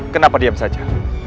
kenapa diam saja